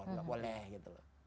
tidak boleh gitu loh